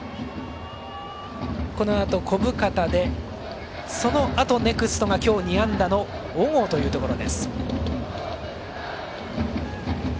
このあと小深田でそのあとネクストが今日２安打の小郷というところ。